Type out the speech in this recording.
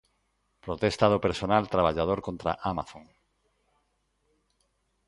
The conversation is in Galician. Protesta do persoal traballador contra Amazon.